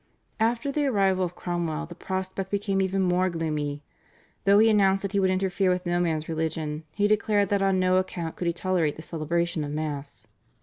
After the arrival of Cromwell the prospect became even more gloomy. Though he announced that he would interfere with no man's religion, he declared that on no account could he tolerate the celebration of Mass.